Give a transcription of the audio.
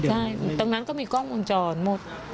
ใช่ตรงนั้นก็มีกล้องวงจรหมด